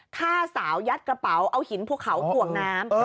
ฆ่าสาวยัดกระเป๋าเอาหินภูเขาถ่วงน้ำ